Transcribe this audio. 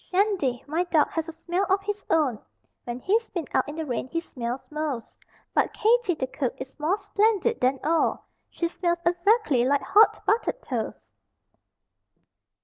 Shandy, my dog, has a smell of his own (When he's been out in the rain he smells most); But Katie, the cook, is more splendid than all She smells exactly like hot buttered toast!